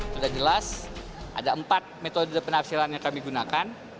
sudah jelas ada empat metode penafsiran yang kami gunakan